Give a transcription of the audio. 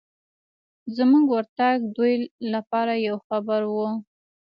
زموږ ورتګ دوی لپاره یو خبر و.